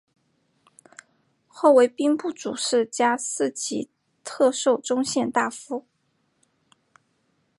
后为兵部主事加四级特授中宪大夫。